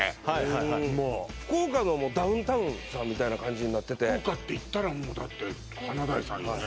もう福岡のもうダウンタウンさんみたいな感じになってて福岡っていったらもうだって華大さんよね